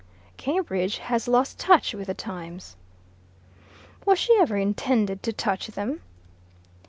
"Cambridge has lost touch with the times." "Was she ever intended to touch them?"